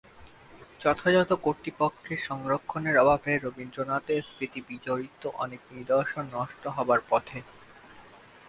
যথাযথ কর্তৃপক্ষের সংরক্ষণের অভাবে রবীন্দ্রনাথের স্মৃতিবিজড়িত অনেক নিদর্শন নষ্ট হবার পথে।